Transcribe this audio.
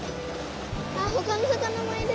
あほかの魚もいる！